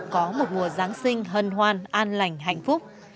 có một mùa giáng sinh hân hoan an lành hạnh phúc